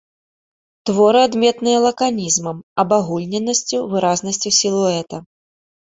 Творы адметныя лаканізмам, абагульненасцю, выразнасцю сілуэта.